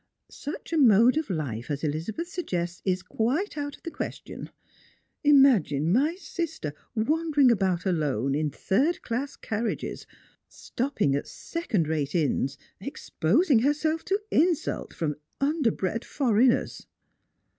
" Such a mode of life as Ehzabetb suggests is quite out of the question. Imaginf mj 2,jO Strangers and Pilgrimi. sister wanderiug about alone, in third class carriages, stopping at second rate inns, exposing herself to insult from underbred foreigners."